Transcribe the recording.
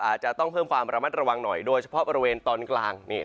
อาจจะต้องเพิ่มความระมัดระวังหน่อยโดยเฉพาะบริเวณตอนกลาง